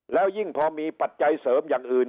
แล้วยิ่งพอมีปัจจัยเสริมอย่างอื่น